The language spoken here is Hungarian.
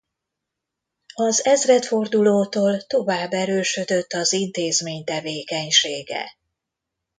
Az ezredfordulótól tovább erősödött az intézmény tevékenysége.